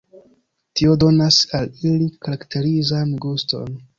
Tio donas al ili karakterizan guston.